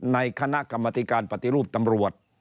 ในคณะกรรมธิการปฏิรูปตำรวจ